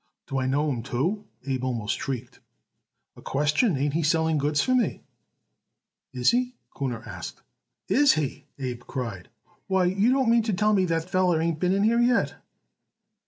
"Do I know him, too?" Abe almost shrieked. "A question! Ain't he selling goods for me?" "Is he?" Kuhner said. "Is he!" Abe cried. "Why, you don't mean to tell me that feller ain't been in here yet?"